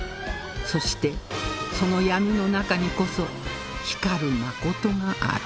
そしてその闇の中にこそ光る真がある